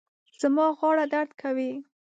زما غاړه درد کوي